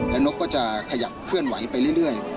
และนกก็จะขยับเคลื่อนไหวไปเรื่อย